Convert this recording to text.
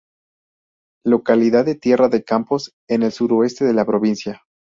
Localidad de Tierra de Campos, en el suroeste de la provincia.